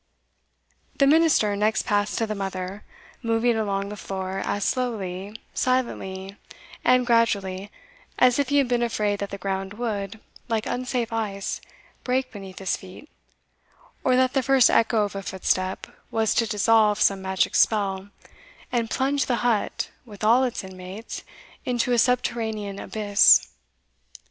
The minister next passed to the mother, moving along the floor as slowly, silently, and gradually, as if he had been afraid that the ground would, like unsafe ice, break beneath his feet, or that the first echo of a footstep was to dissolve some magic spell, and plunge the hut, with all its inmates, into a subterranean abyss.